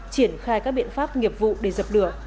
triển khai các biện pháp nghiệp vụ để dập lửa